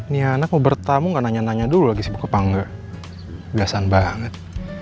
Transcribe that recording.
niana mau bertamu gak nanya nanya dulu lagi sibuk kepangga biasaan banget